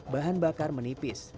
bahan bakar menipis